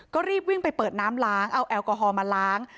ก็รีบวิ่งไปเปิดน้ำล้างเอาแอลกอฮอล์มาล้าง